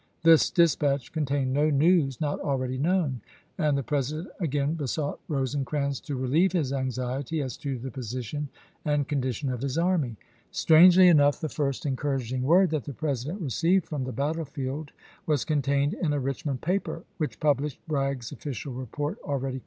This dispatch contained no news not already known; and the President again besought Rose CHICKA.MAUGA 111 crans to relieve his anxiety as to the position and chap. rv. condition of his army. Strangely enough the first encouraging word that the President received from the battlefield was contained in a Richmond paper, ^Tsea.^^' which published Bragg's official report already voi.